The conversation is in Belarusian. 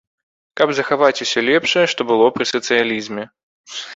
Каб захаваць усё лепшае, што было пры сацыялізме.